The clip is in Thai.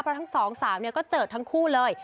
เพราะทั้งสองสามจะเจอทั้งคู่เลย